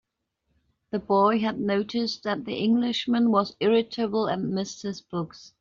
The boy had noticed that the Englishman was irritable, and missed his books.